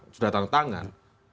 dua puluh sudah tanggung tangan